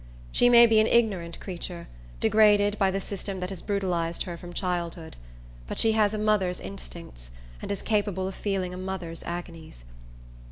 She may be an ignorant creature, degraded by the system that has brutalized her from childhood; but she has a mother's instincts, and is capable of feeling a mother's agonies.